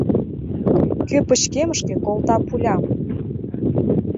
Кӧ пычкемышке колта пулям?